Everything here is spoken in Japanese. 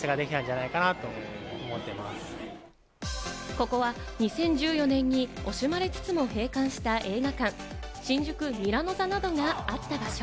ここは２０１４年に惜しまれつつも閉館した映画館・新宿ミラノ座などがあった場所。